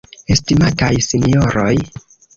Estimataj sinjoroj!